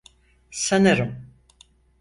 Sanırım.